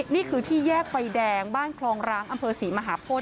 นี่คือที่แยกไฟแดงบ้านคลองร้างอำเภอศรีมหาโพธิ